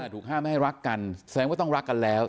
ถูกห้ามไม่ให้รักกันแสดงว่าต้องรักกันแล้ว